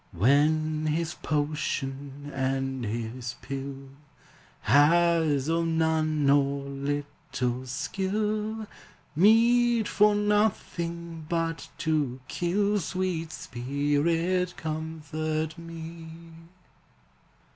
When his potion and his pill Has or none or little skill, Meet for nothing but to kill, Sweet Spirit, comfort me!